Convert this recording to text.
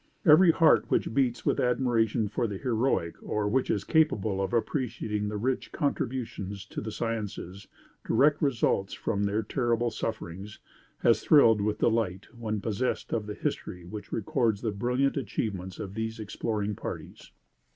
Every heart which beats with admiration for the heroic, or which is capable of appreciating the rich contributions to the sciences, direct resultants from their terrible sufferings, has thrilled with delight when possessed of the history which records the brilliant achievements of these Exploring Parties.